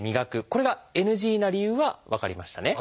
これがＮＧな理由は分かりましたね？